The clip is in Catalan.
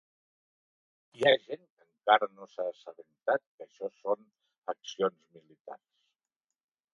Hi ha gent que encara no s’ha assabentat que això són accions militars.